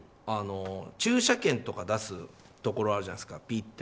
駐車券とか出すところあるじゃないですか。